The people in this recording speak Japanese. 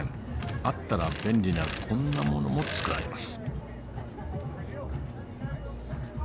あったら便利なこんなものも作られます。